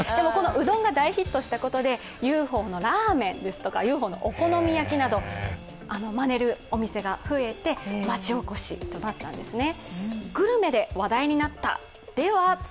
うどんが大ヒットしたことで、ＵＦＯのラーメンですとかＵＦＯのお好み焼きなどまねるお店が増えて、まちおこしとなったんですね。